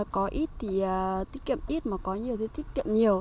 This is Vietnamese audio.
có ít thì tiết kiệm ít mà có nhiều tiết kiệm nhiều